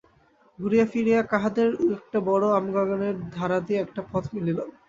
ঘুরিয়া ফিরিয়া কাহাদের একটা বড় আমবাগানের ধারা দিয়া একটা পথ মিলিল।